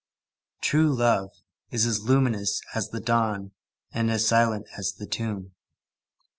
True love is as luminous as the dawn and as silent as the tomb.